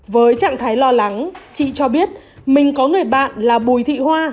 với trạng thái lo lắng chị cho biết mình có người bạn là bùi thị hoa